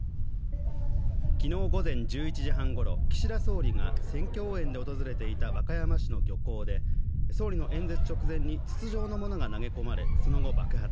昨日午前１１時半ごろ、岸田総理が選挙応援で訪れていた和歌山市の漁港で総理の演説直前に筒状のものが投げ込まれその後爆発。